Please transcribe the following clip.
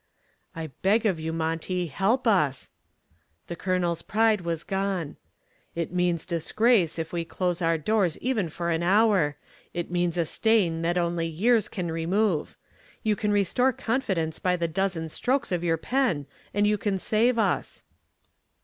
"I beg of you, Monty, help us." The Colonel's pride was gone. "It means disgrace if we close our doors even for an hour; it means a stain that only years can remove. You can restore confidence by a dozen strokes of your pen, and you can save us."